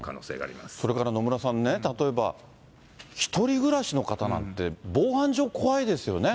それから野村さんね、例えば、１人暮らしの方なんて、防犯上、怖いですよね。